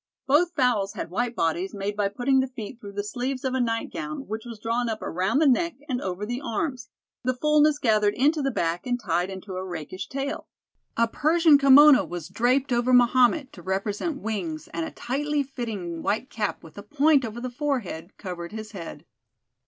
Both fowls had white bodies made by putting the feet through the sleeves of a nightgown, which was drawn up around the neck and over the arms, the fullness gathered into the back and tied into a rakish tail. A Persian kimono was draped over Mahomet to represent wings and a tightly fitting white cap with a point over the forehead covered his head.